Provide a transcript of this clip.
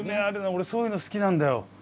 俺そういうの好きなんだよ。